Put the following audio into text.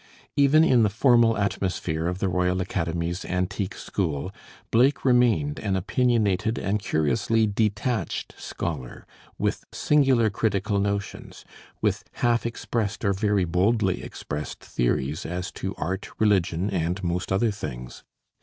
Even in the formal atmosphere of the Royal Academy's antique school, Blake remained an opinionated and curiously "detached" scholar, with singular critical notions, with half expressed or very boldly expressed theories as to art, religion, and most other things.